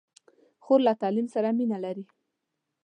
خور له تعلیم سره مینه لري.